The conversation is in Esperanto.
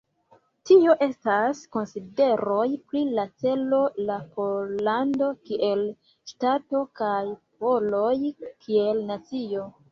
Tio estas konsideroj pri la celo de Pollando kiel ŝtato kaj poloj kiel nacio.